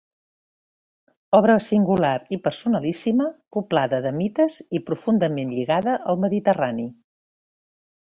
Obra singular i personalíssima, poblada de mites i profundament lligada al Mediterrani.